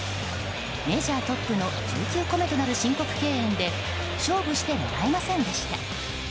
メジャートップの１９個目となる申告敬遠で勝負してもらえませんでした。